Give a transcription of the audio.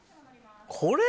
これ？